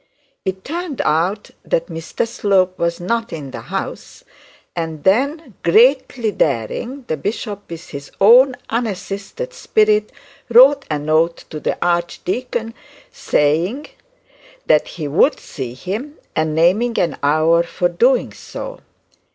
It turned out that Mr Slope was not in the house; and then, greatly daring, the bishop with his own unassisted spirit wrote a note to the archdeacon saying that he would see him, and naming the hour for doing so.